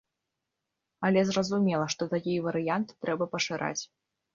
Але зразумела, што такія варыянты трэба пашыраць.